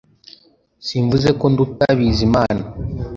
Simvuze ko nduta Bizimana